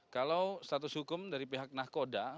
kalau status hukum dari pihak nahkoda